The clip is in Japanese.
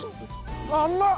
甘っ！